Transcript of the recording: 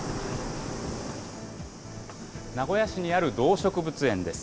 名古屋市にある動植物園です。